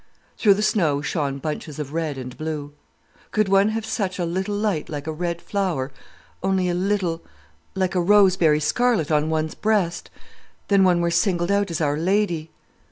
"Through the snow shone bunches of red and blue. "'Could one have such a little light like a red flower—only a little, like a rose berry scarlet on one's breast!—then one were singled out as Our Lady.